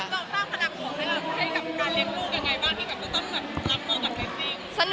คุณโดงต้องพนับของให้กับเรียกลูกยังไงบ้าง